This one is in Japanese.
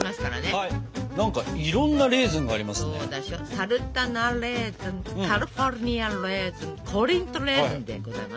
サルタナレーズンカリフォルニアレーズンコリントレーズンでございます。